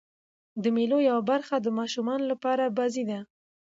د مېلو یوه برخه د ماشومانو له پاره بازۍ دي.